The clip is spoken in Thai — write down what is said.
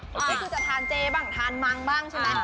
ก็คือจะทานเจบ้างทานมังบ้างใช่ไหม